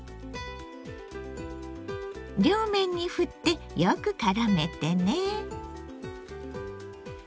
両面にふってよくからめてね。